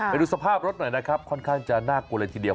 ไปดูสภาพรถหน่อยนะครับค่อนข้างจะน่ากลัวเลยทีเดียว